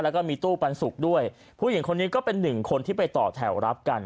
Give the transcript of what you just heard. แล้วก็มีตู้ปันสุกด้วยผู้หญิงคนนี้ก็เป็นหนึ่งคนที่ไปต่อแถวรับกัน